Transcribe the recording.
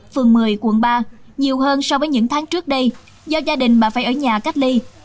phường một mươi quận ba nhiều hơn so với những tháng trước đây do gia đình bà phải ở nhà cách ly